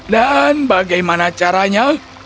dan bagaimana caranya